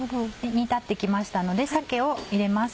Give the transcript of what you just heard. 煮立って来ましたので鮭を入れます。